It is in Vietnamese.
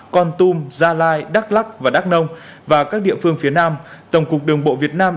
con tum gia lai đắk lắc và đắk nông và các địa phương phía nam tổng cục đường bộ việt nam